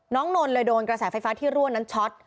นนท์เลยโดนกระแสไฟฟ้าที่รั่วนั้นช็อต